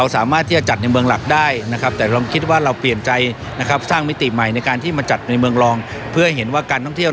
สำหรับแนวน้องการท่องเที่ยว